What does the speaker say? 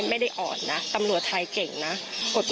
พี่น้องวาหรือว่าน้องวาหรือ